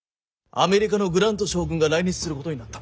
アメリカのグラント将軍が来日することになった。